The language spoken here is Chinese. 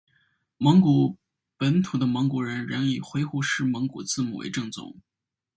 蒙古本土的蒙古人仍以回鹘式蒙古字母为正宗。